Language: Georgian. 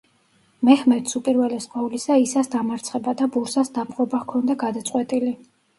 მეჰმედს უპირველეს ყოვლისა, ისას დამარცხება და ბურსას დაპყრობა ჰქონდა გადაწყვეტილი.